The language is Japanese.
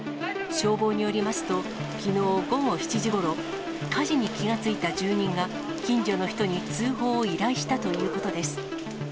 消防によりますと、きのう午後７時ごろ、火事に気が付いた住人が近所の人に通報を依頼したということです。